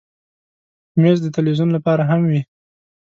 مېز د تلویزیون لپاره هم وي.